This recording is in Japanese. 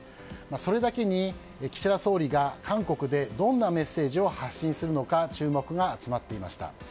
それだけに岸田総理が韓国でどんなメッセージを発信するのか注目が集まっていました。